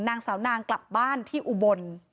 นางสาวนางกลับบ้านที่อุบล